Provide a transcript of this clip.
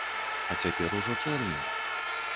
А цяпер ужо чэрвень.